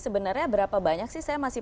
sebenarnya berapa banyak sih saya masih